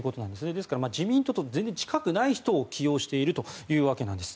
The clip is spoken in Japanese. ですから自民党と全然近くない人を起用しているということです。